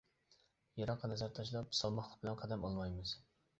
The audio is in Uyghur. يىراققا نەزەر تاشلاپ، سالماقلىق بىلەن قەدەم ئالمايمىز.